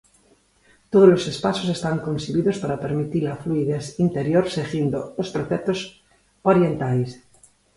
Todos os espazos están concibidos para permitir a fluidez interior, seguindo os preceptos orientais.